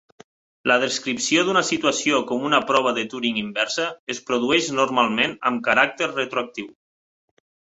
La descripció d'una situació com una "prova de Turing inversa" es produeix normalment amb caràcter retroactiu.